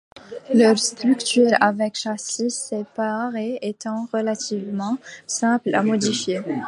Leur structure avec châssis séparé étant relativement simple à modifier.